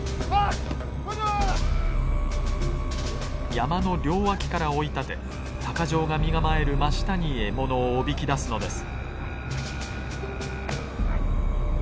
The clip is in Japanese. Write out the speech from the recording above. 山の両脇から追い立て鷹匠が身構える真下に獲物をおびき出すのです。